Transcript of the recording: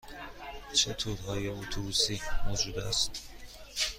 چه تورهای اتوبوسی موجود است؟